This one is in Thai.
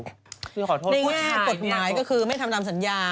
ในเมื่อกฎหมายก็คือไม่ทำตามสัญญา